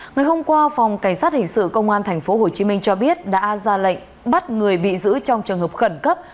ngày hôm qua phòng cảnh sát hình sự công an tp hcm cho biết đã ra lệnh bắt người bị giữ trong trường hợp khẩn cấp